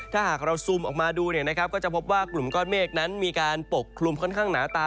ถ้าหากเราซูมออกมาดูก็จะพบว่ากลุ่มก้อนเมฆนั้นมีการปกคลุมค่อนข้างหนาตา